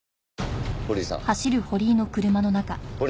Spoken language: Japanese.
堀井さん。